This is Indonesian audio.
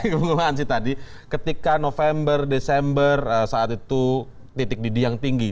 bung hansi tadi ketika november desember saat itu titik didih yang tinggi